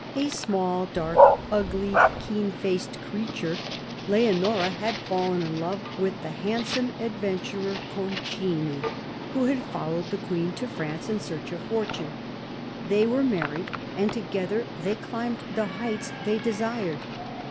A small, dark, ugly, keen faced creature, Leonora had fallen in love with the handsome adventurer Concini, who had followed the Queen to France in search of fortune. They were married, and together they climbed the heights they desired.